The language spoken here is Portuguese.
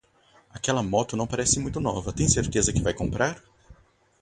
Aquela moto não parece muito nova. Tem certeza que vai comprar?